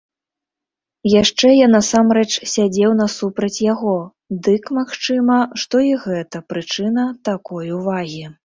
Яшчэ я насамрэч сядзеў насупраць яго, дык магчыма, што і гэта прычына такой увагі.